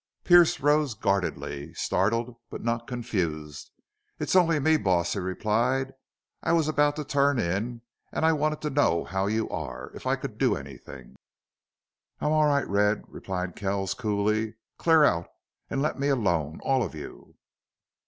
Pearce rose guardedly, startled, but not confused. "It's only me, boss," he replied. "I was about to turn in, an' I wanted to know how you are if I could do anythin'." "I'm all right, Red," replied Kells, coolly. "Clear out and let me alone. All of you."